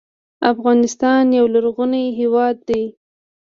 افغانستان یو لرغونی هیواد دی.